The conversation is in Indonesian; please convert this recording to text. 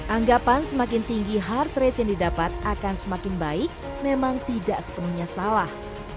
anggapan semakin tinggi heart rate yang didapat akan semakin baik memang tidak sepenuhnya salah